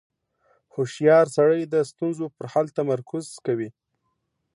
• هوښیار سړی د ستونزو پر حل تمرکز کوي.